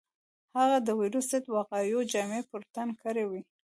هغه د وېروس ضد وقايوي جامې پر تن کړې وې.